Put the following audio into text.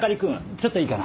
ちょっといいかな？